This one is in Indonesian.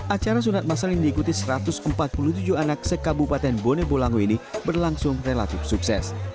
acara sunat masal yang diikuti satu ratus empat puluh tujuh anak sekabupaten bone bolango ini berlangsung relatif sukses